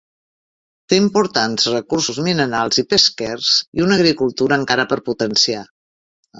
Té importants recursos minerals i pesquers i una agricultura encara per potenciar.